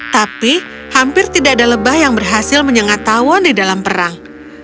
tapi hampir tidak ada lebah yang berhasil menyengat tawon di dalam perang